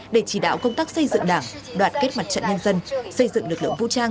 để chỉ đạo công tác xây dựng đảng đoạt kết mặt trận nhân dân xây dựng lực lượng vũ trang